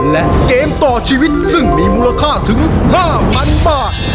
และเกมต่อชีวิตซึ่งมีมูลค่าถึง๕๐๐๐บาท